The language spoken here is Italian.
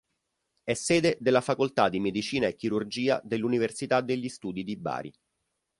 È sede della facoltà di Medicina e Chirurgia dell'Università degli Studi di Bari.